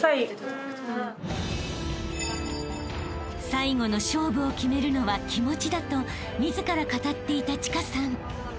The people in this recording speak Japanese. ［最後の勝負を決めるのは気持ちだと自ら語っていた千佳さん］